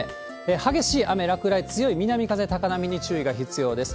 激しい雨、落雷、強い南風、高波に注意が必要です。